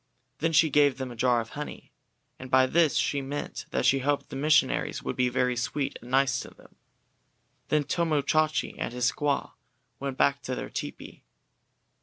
Then she gave them a jar of honey, and by this she meant that she hoped the missionaries would be very sweet and nice to them. Then Tomo Chachi and his squaw went back to their tepee.